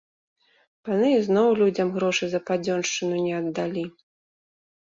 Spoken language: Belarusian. Паны ізноў людзям грошы за падзёншчыну не аддалі.